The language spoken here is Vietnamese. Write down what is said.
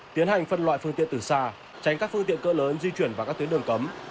tiến hành phân loại phương tiện từ xa tránh các phương tiện cơ lớn di chuyển vào các tuyến đường cấm